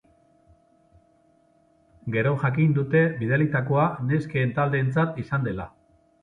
Gero jakin dute bidalitakoa nesken taldeentzat izan dela.